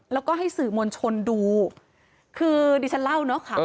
แล้วก็ให้สื่อมวลชนดูคือดิฉันเล่าเนอะค่ะ